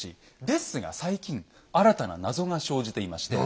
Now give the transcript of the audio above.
ですが最近新たな謎が生じていまして。